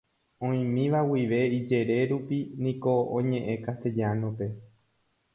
Oĩmíva guive ijere rupi niko oñe'ẽ Castellano-pe.